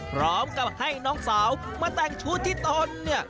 พร้อมกับให้น้องสาวมาแต่งชุดที่ตนเนี่ย